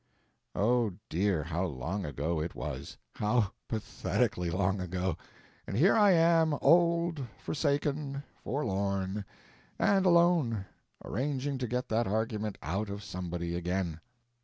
O dear, how long ago it was—how pathetically long ago! And here am I, old, forsaken, forlorn, and alone, arranging to get that argument out of somebody again.